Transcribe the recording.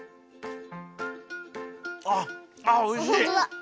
あっあっおいしい。